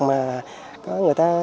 mà có người ta